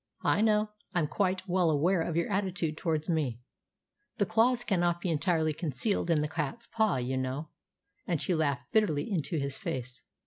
"I know! I'm quite well aware of your attitude towards me. The claws cannot be entirely concealed in the cat's paw, you know;" and she laughed bitterly into his face.